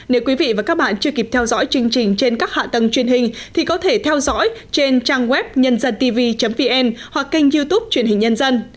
nếu quý vị và các bạn chưa kịp theo dõi chương trình trên các hạ tầng truyền hình thì có thể theo dõi trên trang web nhândântv vn hoặc kênh youtube truyền hình nhân dân